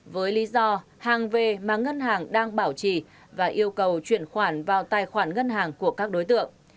với lý do hàng về mà ngân hàng đang bảo trì và yêu cầu chuyển khoản vào tài khoản ngân hàng của các đối tượng